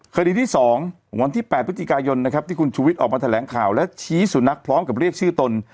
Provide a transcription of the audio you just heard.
คดีที่๒วันที่๘พฤศจิกายนนะครับที่คุณชูวิทย์ออกมาแถลงข่าวและชี้สุนัขพร้อมกับเรียกชื่อตน